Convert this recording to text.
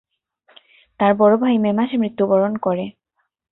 তার বড় ভাই মে মাসে মৃত্যুবরণ করে।